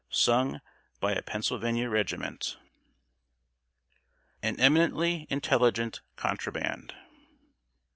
sung by a Pennsylvania regiment! [Sidenote: AN EMINENTLY "INTELLIGENT CONTRABAND."